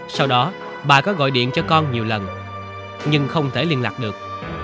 sau đó bà có gọi điện cho con nhiều lần nhưng không thể liên lạc được